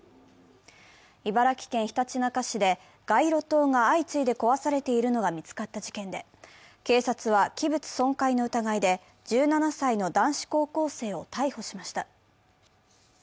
茨城県ひたちなか市で、街路灯が相次いで壊されているのが見つかった事件で、警察は器物損壊の疑いで１７歳の男子高校生を逮捕しました。